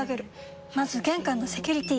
まず玄関のセキュリティ！